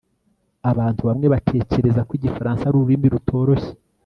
abantu bamwe batekereza ko igifaransa ari ururimi rutoroshye